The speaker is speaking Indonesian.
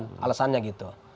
menurut bidan alesannya gitu